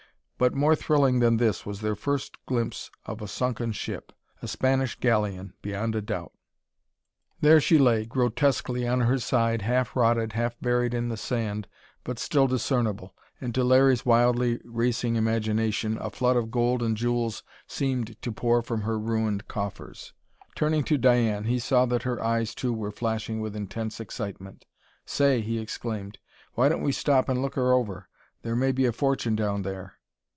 But more thrilling than this was their first glimpse of a sunken ship a Spanish galleon, beyond a doubt! There she lay, grotesquely on her side, half rotted, half buried in the sand, but still discernible. And to Larry's wildly racing imagination, a flood of gold and jewels seemed to pour from her ruined coffers. Turning to Diane, he saw that her eyes too were flashing with intense excitement. "Say!" he exclaimed. "Why don't we stop and look her over? There may be a fortune down there!"